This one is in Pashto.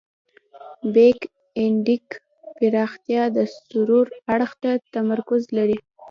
بیک اینډ پراختیا د سرور اړخ ته تمرکز لري.